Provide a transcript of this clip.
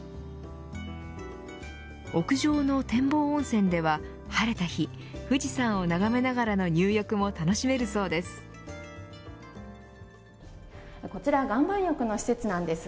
屋上の展望温泉では晴れた日富士山を眺めながらの入浴も楽しめるそうです。